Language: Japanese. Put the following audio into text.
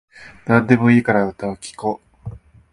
なんでもいいから歌を聴こう